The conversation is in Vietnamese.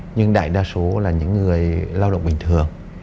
nhưng đại đa số là những người lao động bình thường